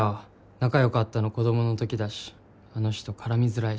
仲良かったの子供のときだしあの人絡みづらいし。